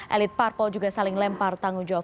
elit parpol juga saling lempar tanggung jawab